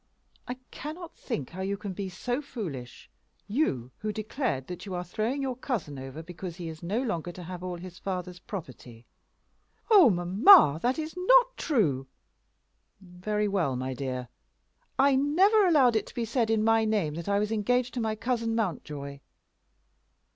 I cannot think how you can be so foolish, you, who declared that you are throwing your cousin over because he is no longer to have all his father's property." "Oh, mamma, that is not true." "Very well, my dear." "I never allowed it to be said in my name that I was engaged to my cousin Mountjoy."